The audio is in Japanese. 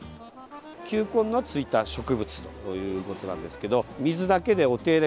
球根のついた植物ということなんですけど水だけでお手入れ